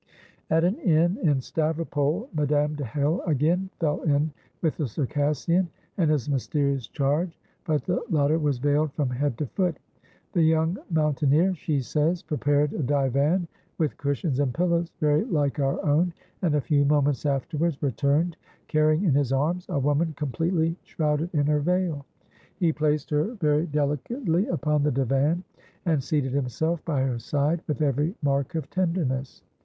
At an inn, in Stavropol, Madame de Hell again fell in with the Circassian and his mysterious charge, but the latter was veiled from head to foot "The young mountaineer," she says, "prepared a divan with cushions and pillows very like our own, and, a few moments afterwards, returned, carrying in his arms a woman completely shrouded in her veil; he placed her very delicately upon the divan, and seated himself by her side with every mark of tenderness.